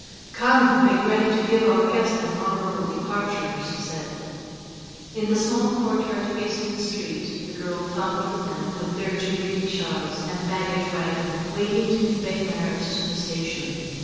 "Come, make ready to give our guest an honorable departure," she said. In the small courtyard facing the street the girl found the men, with their jinrikishas and baggage wagon, waiting to convey Merrit to the station.